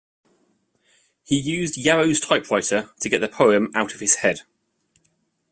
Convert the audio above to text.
He used Yarrow's typewriter to get the poem out of his head.